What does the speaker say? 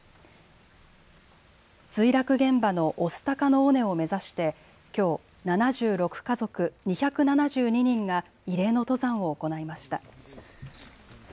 墜落現場の御巣鷹の尾根を目指してきょう７６家族２７２人が慰霊の登山を行いました。